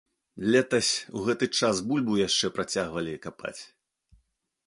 Летась у гэты час бульбу яшчэ працягвалі капаць.